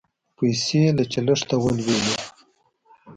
پیسې له چلښته ولوېدې